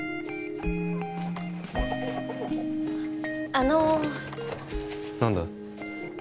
あの何だ？